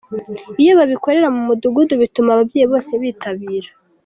Iyo babikorera mu mudugudu bituma ababyeyi bose bitabira.